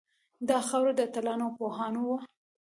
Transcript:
دا خاوره د اتلانو او پوهانو وه